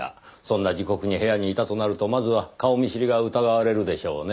そんな時刻に部屋にいたとなるとまずは顔見知りが疑われるでしょうねぇ。